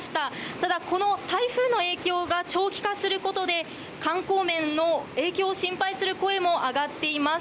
ただ台風の影響が長期化することで観光面の影響を心配する声も上がっています。